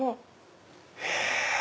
へぇ！